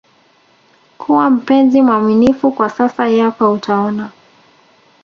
kuwa mpenzi mwaminifu kwa sasa yako utaona